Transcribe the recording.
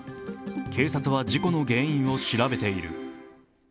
警察は事故の原因を調べている。